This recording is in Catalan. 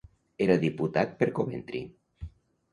Era diputat per Coventry.